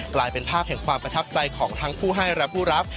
กลายเป็นภาพแห่งความประทับใจของทั้งผู้ให้และผู้รับ